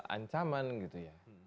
ancaman gitu ya